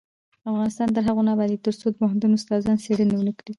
افغانستان تر هغو نه ابادیږي، ترڅو د پوهنتون استادان څیړنې ونکړي.